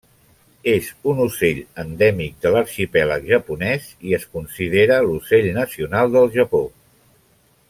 És un ocell endèmic de l'arxipèlag japonès i es considera l'ocell nacional del Japó.